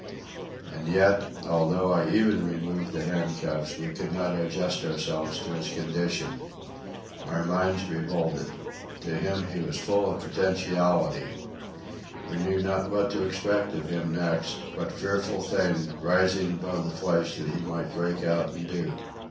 And yet, though I even removed the handcuffs, we could not adjust ourselves to his condition. Our minds revolted. To us he was full of potentiality. We knew not what to expect of him next, what fearful thing, rising above the flesh, he might break out and do.